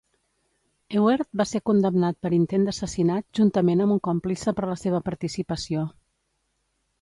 Ewert va ser condemnat per intent d'assassinat juntament amb un còmplice per la seva participació.